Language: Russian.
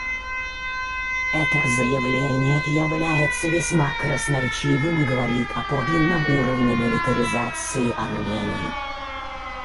Это заявление является весьма красноречивым и говорит о подлинном уровне милитаризации Армении.